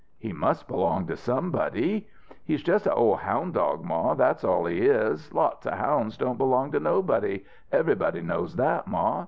"He must belong to somebody." "He's just a ol' hound dog, Ma, that's all he is. Lots of hounds don't belong to nobody everybody knows that, Ma.